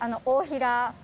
大平。